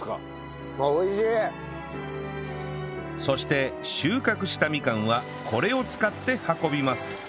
そして収穫したみかんはこれを使って運びます